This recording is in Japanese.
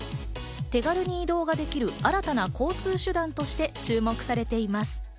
手軽に移動ができる新たな交通手段として注目されています。